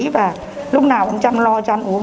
và lúc nào cũng chăm lo cho ăn uống